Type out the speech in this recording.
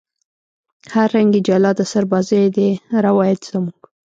هر رنگ یې جلا د سربازۍ دی روایت زموږ